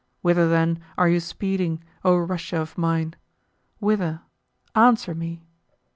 Whither, then, are you speeding, O Russia of mine? Whither? Answer me!